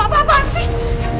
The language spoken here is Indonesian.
ini berat banget sekarang